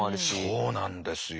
そうなんですよ。